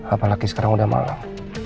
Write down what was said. apalagi sekarang udah malam